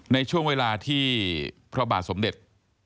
ในช่วงเวลาที่พระบาทสมเด็จ